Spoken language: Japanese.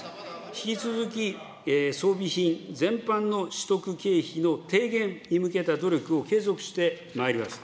引き続き、装備品全般の取得経費の低減に向けた努力を継続してまいります。